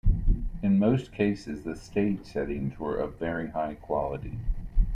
In most cases the stage settings were of very high quality.